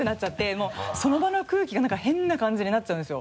もうその場の空気がなんか変な感じになっちゃうんですよ。